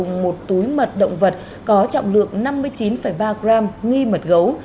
cùng một túi mật động vật có trọng lượng năm mươi chín ba gram nghi mật gấu